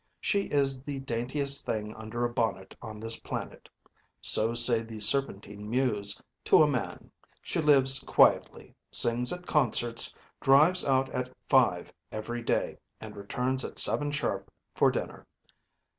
She is the daintiest thing under a bonnet on this planet. So say the Serpentine mews, to a man. She lives quietly, sings at concerts, drives out at five every day, and returns at seven sharp for dinner.